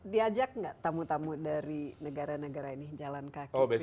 diajak nggak tamu tamu dari negara negara ini jalan kaki